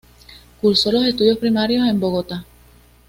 Cursó los estudios primarios en Bogotá.